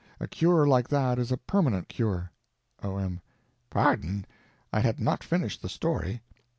A cure like that is a permanent cure. O.M. Pardon—I had not finished the story.